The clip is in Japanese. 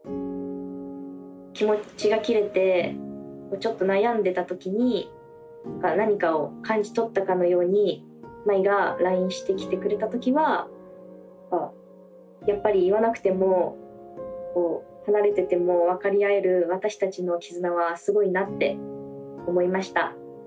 気持ちが切れてちょっと悩んでた時に何かを感じ取ったかのように茉愛がラインしてきてくれた時はやっぱり言わなくても離れてても分かり合える私達の絆はすごいなって思いました。